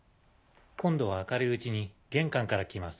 今度は明るいうちに玄関から来ます。